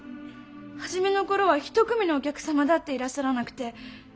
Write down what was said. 初めのころは一組のお客様だっていらっしゃらなくて。